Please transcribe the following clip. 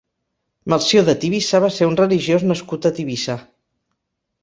Melcior de Tivissa va ser un religiós nascut a Tivissa.